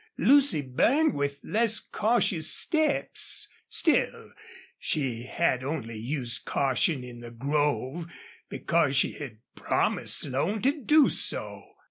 Lucy burned with less cautious steps. Still she had only used caution in the grove because she had promised Slone to do so.